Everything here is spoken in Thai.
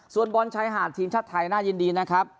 ส่วนบอลชายหาดทีมชาติไทยน่ายินดีนะครับ